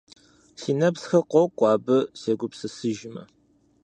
Си нэпсхэр къокӀуэ, абы сегупсысыжмэ.